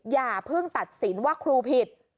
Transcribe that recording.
อย่าเพิ่งตัดสินว่าครูผิด